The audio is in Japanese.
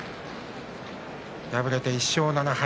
敗れて１勝７敗。